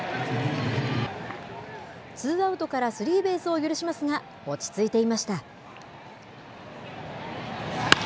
ツーアウトからスリーベースを許しますが落ち着いていました。